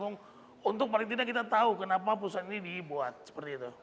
untuk paling tidak kita tahu kenapa putusan ini dibuat seperti itu